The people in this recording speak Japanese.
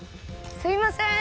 すいません！